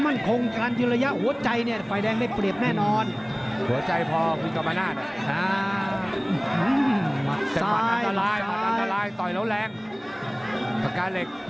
แดงนกปะกิดน้ำเงินไข่หวานเล็ก